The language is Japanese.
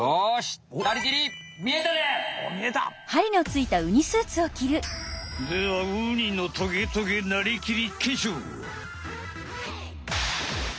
それではウニのトゲトゲになりきり！